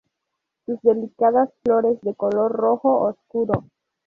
Sus delicadas flores de color rojo oscuro.